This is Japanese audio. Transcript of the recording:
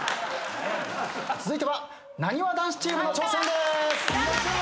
続いてはなにわ男子チームの挑戦です。いきます。